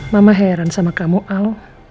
mama heran sama kamu al